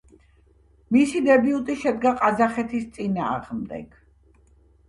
მისი დებიუტი შედგა ყაზახეთის წინააღმდეგ.